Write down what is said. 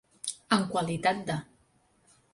En qualitat de.